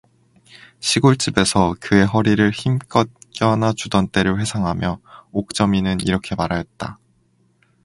시골집에서 그의 허리를 힘껏 껴안아 주던 때를 회상하며 옥점이는 이렇게 말하였다.